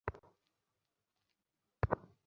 আরে, কথা তো শুনো।